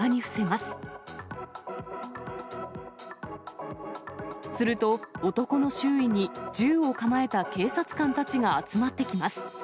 すると、男の周囲に銃を構えた警察官たちが集まってきます。